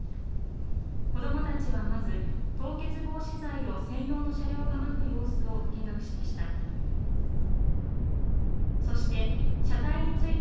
子どもたちはまず、凍結防止剤を専用の車両がまく様子を見学しました。